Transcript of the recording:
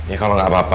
ya kalau gak apa apa